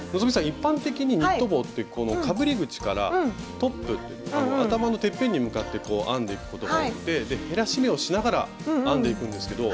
一般的にニット帽ってこのかぶり口からトップ頭のてっぺんに向かって編んでいくことが多くて減らし目をしながら編んでいくんですけど。